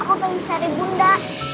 aku pengen cari bunda